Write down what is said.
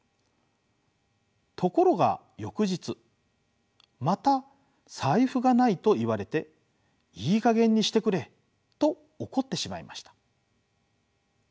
ところが翌日また財布がないと言われていい加減にしてくれと怒ってしまいました。